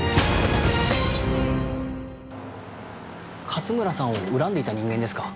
勝村さんを恨んでいた人間ですか？